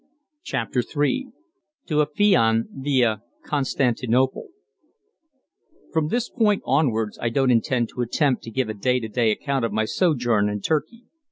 CHAPTER III TO AFION VIA CONSTANTINOPLE From this point onwards I don't intend to attempt to give a day to day account of my sojourn in Turkey.